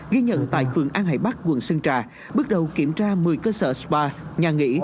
ghi nhận tại phường an hải bắc quận sơn trà bước đầu kiểm tra một mươi cơ sở spa nhà nghỉ